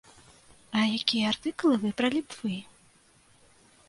А якія артыкулы выбралі б вы?